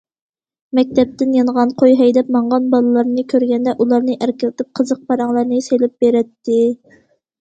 مەكتەپتىن يانغان، قوي ھەيدەپ ماڭغان بالىلارنى كۆرگەندە ئۇلارنى ئەركىلىتىپ قىزىق پاراڭلارنى سېلىپ بېرەتتى.